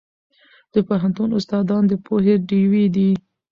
د پوهنتون استادان د پوهې ډیوې دي.